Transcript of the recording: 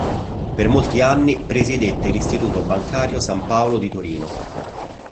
Per molti anni presiedette l'Istituto Bancario San Paolo di Torino.